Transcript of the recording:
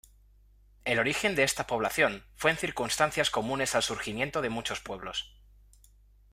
El origen de esta población fue en circunstancias comunes al surgimiento de muchos pueblos.